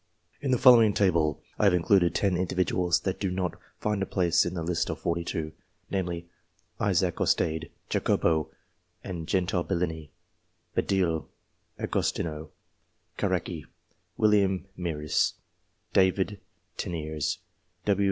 In the following table I have included ten individuals that do not find a place in the list of forty two : namely, Isaac Ostade ; Jacopo and Gentile Bellini ; Badille, Agos tino Caracci, William Mieris ; David Teniers ; W.